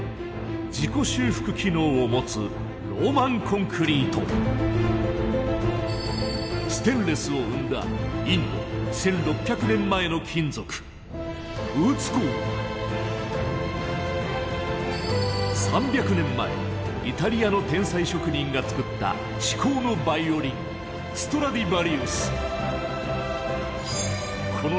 自己修復機能を持つステンレスを生んだインド１６００年前の金属３００年前イタリアの天才職人が作った至高のバイオリン諜報部員コムヒア！